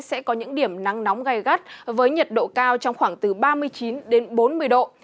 sẽ có những điểm nắng nóng gai gắt với nhiệt độ cao trong khoảng từ ba mươi chín đến bốn mươi độ